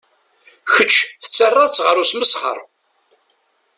Kečč tettaraḍ-tt ɣer usmesxer.